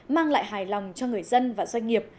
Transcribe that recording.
mang lại hài lòng cho người dân và doanh nghiệp